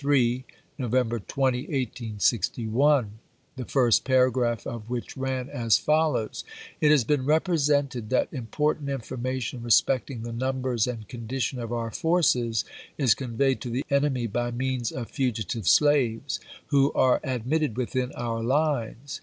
3 (November 20, 1861), the first paragi'aph of which ran as fol lows :" It has been represented that important information respecting the numbers and condition of our forces is conveyed to the enemy by means of fugitive slaves who are admitted within our lines.